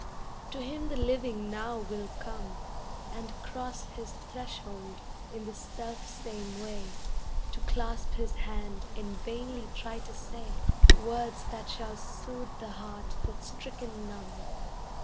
To him the living now will come And cross his threshold in the self same way To clasp his hand and vainly try to say Words that shall soothe the heart that's stricken numb.